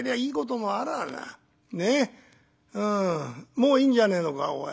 もういいんじゃねえのかおい。